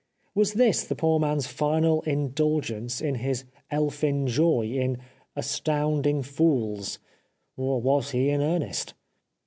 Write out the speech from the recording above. Was this the poor man's final indulgence in his elfin joy in " astounding fools/' or was he in earnest